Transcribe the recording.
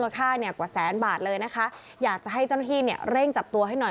ค่าเนี่ยกว่าแสนบาทเลยนะคะอยากจะให้เจ้าหน้าที่เนี่ยเร่งจับตัวให้หน่อย